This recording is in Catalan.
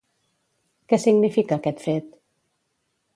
Què significa aquest fet?